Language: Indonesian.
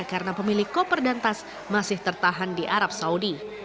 karena pemilik koper dan tas masih tertahan di arab saudi